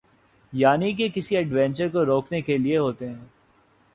یعنی یہ کسی ایڈونچر کو روکنے کے لئے ہوتے ہیں۔